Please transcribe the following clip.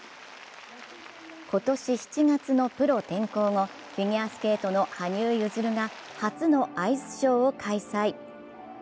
今年７月のプロ転向後、フィギュアスケートの羽生結弦が初のアイスショーを開催。